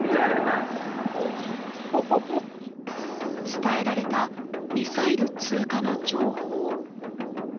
伝えられたミサイル通過の情報。